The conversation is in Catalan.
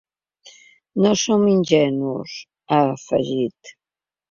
No som ingenus, ha afegit.